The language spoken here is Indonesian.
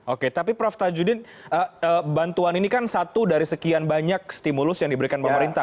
oke tapi prof tajudin bantuan ini kan satu dari sekian banyak stimulus yang diberikan pemerintah